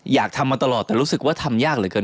อยากทำมาตลอดแต่รู้สึกว่าทำยากเหลือเกิน